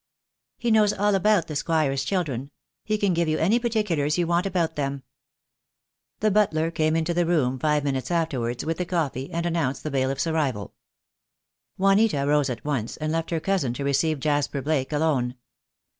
"He knows all about the Squire's children. He can give you any particulars you want about them." The butler came into the room five minutes afterwards with the coffee, and announced the bailiff's arrival. THE DAY WILL COME. 1 67 Juanita rose at once, and left her cousin to receive Jasper Blake alone.